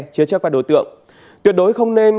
chứa chắc các đối tượng tuyệt đối không nên